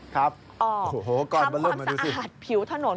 ทำความสะอาดผิวถนน